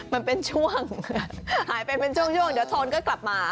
มันเป็นช่วงหายไปเป็นช่วงช่วงเดี๋ยวโทนก็กลับมา